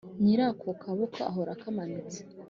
Nyirakwo akaboko ahora akamanitse